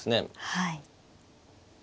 はい。